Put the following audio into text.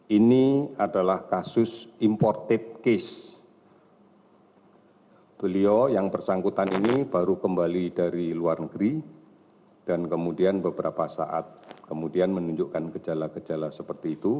ini adalah kasus imported case